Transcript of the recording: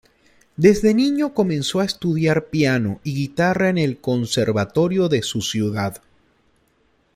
Desde niño comenzó a estudiar piano y guitarra en el conservatorio de su ciudad.